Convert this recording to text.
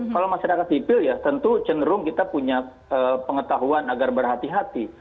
kalau masyarakat sipil ya tentu cenderung kita punya pengetahuan agar berhati hati